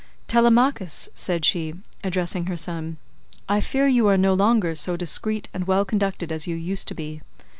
"Telemachus," said she, addressing her son, "I fear you are no longer so discreet and well conducted as you used to be.